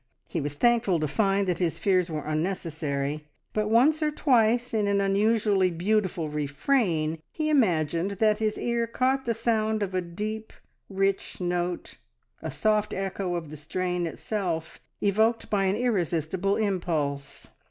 He was thankful to find that his fears were unnecessary, but once or twice in an unusually beautiful refrain he imagined that his ear caught the sound of a deep, rich note a soft echo of the strain itself, evoked by an irresistible impulse.